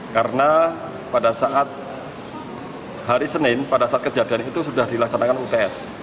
karena pada saat hari senin pada saat kejadian itu sudah dilaksanakan uts